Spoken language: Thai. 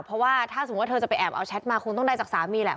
เพราะว่าถ้าสมมุติว่าเธอจะไปแอบเอาแชทมาคงต้องได้จากสามีแหละ